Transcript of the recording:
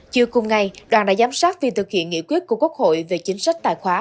chiều cùng ngày đoàn đã giám sát vì thực hiện nghị quyết của quốc hội về chính sách tài khoá